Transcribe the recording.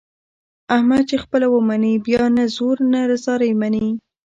احمد چې خپله ومني بیا نه زور نه زارۍ مني.